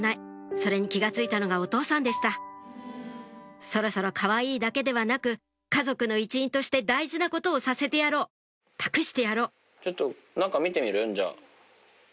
それに気が付いたのがお父さんでしたそろそろかわいいだけではなく家族の一員として大事なことをさせてやろう託してやろうちょっと。